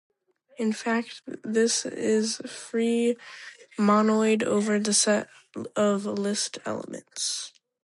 In fact, this is the free monoid over the set of list elements.